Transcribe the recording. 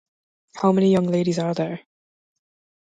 How many young ladies are there?